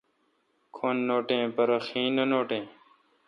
کھن نوٹیں پرہ خیں نہ نوٹیں۔